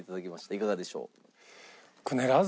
いかがでしょう？